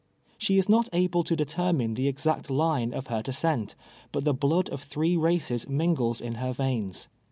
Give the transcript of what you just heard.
She is not able to determine the exact line of her de scent, but the blood of three races mingles in her veins.